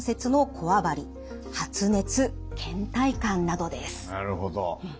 なるほど。